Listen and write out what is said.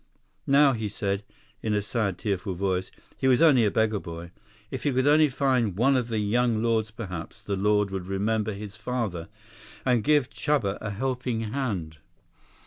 Now, he said, in a sad, tearful voice, he was only a beggar boy. If he could only find one of the young lords perhaps the lord would remember his father, and give Chuba a helping hand.